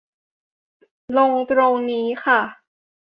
ลงตรงนี้ค่ะ